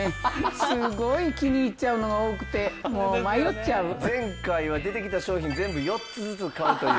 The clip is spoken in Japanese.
すごい気に入っちゃうのが多くて前回は出てきた商品全部４つずつ買うという。